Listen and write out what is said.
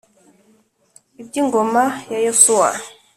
Iby ingoma ya Yosuwa